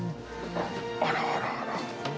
あらあらあら。